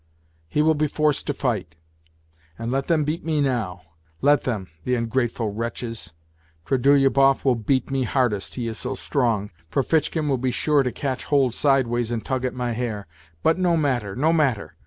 He will be forced to fight. And let them beat me now. Let them, the ungrateful wretches ! Trudo lyubov will beat me hardest, he is so strong ; Ferfitchkin will be sure to catch hold sideways and tug at my hair. But no matter, no matter